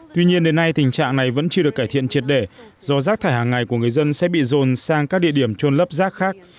tuy nhiên đến nay tình trạng này vẫn chưa được cải thiện triệt để do rác thải hàng ngày của người dân sẽ bị dồn sang các địa điểm trôn lấp rác khác